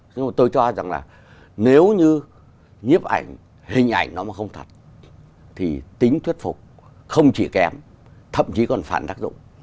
nhưng mà tôi cho rằng là nếu như nhiếp ảnh hình ảnh nó mà không thật thì tính thuyết phục không chỉ kém thậm chí còn phản tác dụng